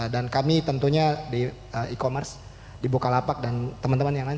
dan kami tentunya di e commerce di bukalapak dan teman teman yang lain